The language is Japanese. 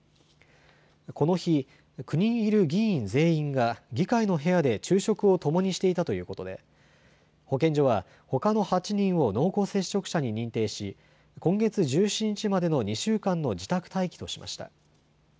この日、９人いる議員全員が議会の部屋で昼食をともにしていたということで保健所は、ほかの８人を濃厚接触者に認定し今月１７日までの２週間の自宅待機としました。